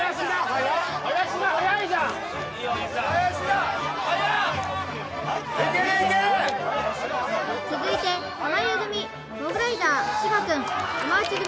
速っ・林田速いじゃん・林田・速っ・抜ける抜ける続いて濱家組モグライダー芝くん山内組